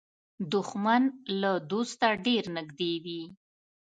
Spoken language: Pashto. دښمن له دوسته ډېر نږدې وي